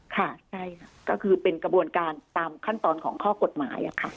ค่ะใช่ค่ะก็คือเป็นกระบวนการตามขั้นตอนของข้อกฎหมายค่ะ